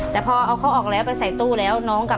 แต่พอเอาเขาออกแล้วไปใส่ตู้แล้ว